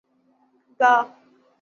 گا